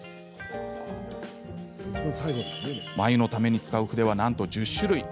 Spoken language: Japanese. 眉のために使う筆はなんと１０種類。